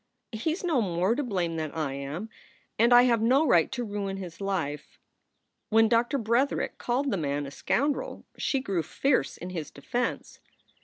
" He s no more to blame than I am, and I have no right to ruin his life." When Doctor Bretherick called the man a scoundrel she grew fierce in his defense.